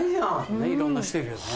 いろんな人いるよね。